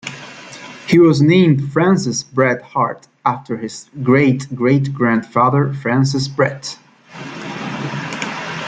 He was named Francis Brett Hart after his great-grandfather, Francis Brett.